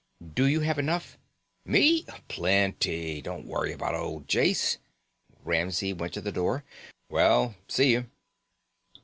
"Do you have enough " "Me? Plenty. Don't worry about old Jase." Ramsey went to the door. "Well, see you."